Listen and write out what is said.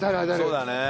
そうだね。